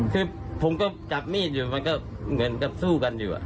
คือผมก็จับมีดอยู่มันก็เหมือนกับสู้กันอยู่